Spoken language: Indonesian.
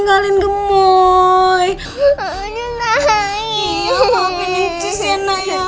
aduh saya mau minum jus ya naya